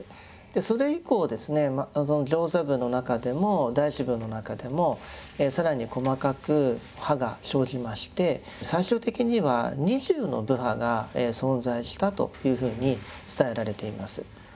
それ以降ですね上座部の中でも大衆部の中でも更に細かく派が生じまして最終的には２０の部派が存在したというふうに伝えられています。